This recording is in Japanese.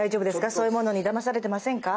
そういうものにだまされてませんか？